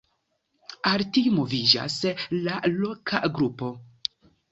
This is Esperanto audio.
Al tiu moviĝas la "Loka Grupo".